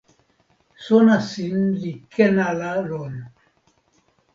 sona sin li ken ala lon.